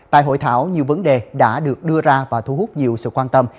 tại hội thảo nhiều vấn đề đã được đưa ra và thu hút nhiều sự quan tâm